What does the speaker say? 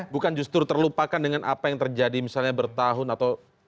bukan justru terlupakan dengan apa yang terjadi misalnya bertahun atau